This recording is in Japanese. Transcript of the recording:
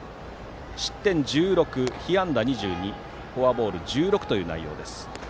失点１６、被安打２２フォアボールは１６という内容。